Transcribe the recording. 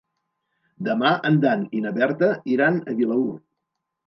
Demà en Dan i na Berta iran a Vilaür.